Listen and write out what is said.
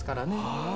ああ。